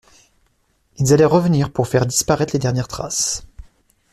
Ils allaient revenir pour faire disparaître les dernières traces.